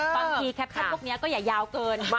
แคปชั่นพวกนี้ก็อย่ายาวเกิน